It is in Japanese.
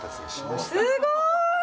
すごーい！